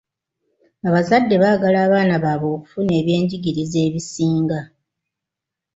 Abazadde baagala abaana baabwe okufuna ebyenjigiriza ebisinga.